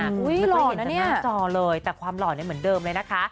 ไม่ได้เห็นจากหน้าจอเลยแต่ความหล่อนเหมือนเดิมเลยนะคะ